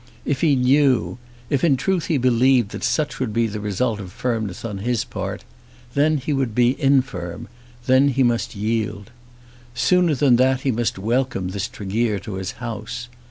If he knew, if in truth he believed that such would be the result of firmness on his part, then he would be infirm, then he must yield. Sooner than that, he must welcome this Tregear to his house.